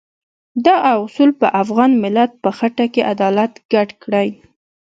دغه اصول په افغان ملت په خټه کې عدالت ګډ کړی.